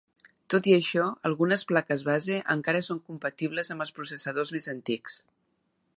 Tot i això, algunes plaques base encara són compatibles amb els processadors més antics.